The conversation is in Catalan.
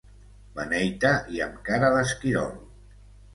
Beneita i amb cara d'esquirol.